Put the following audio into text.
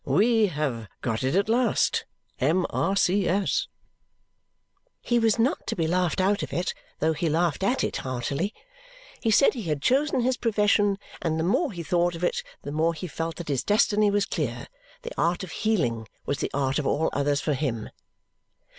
"We have got it at last. M.R.C.S.!" He was not to be laughed out of it, though he laughed at it heartily. He said he had chosen his profession, and the more he thought of it, the more he felt that his destiny was clear; the art of healing was the art of all others for him.